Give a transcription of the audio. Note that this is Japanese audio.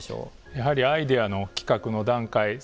やはりアイデアの企画の段階